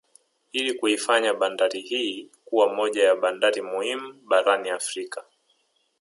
Ili kuifanya bandari hii kuwa moja ya bandari muhimu barani Afrika